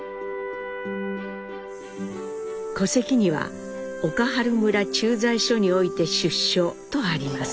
戸籍には岡原村駐在所において出生とあります。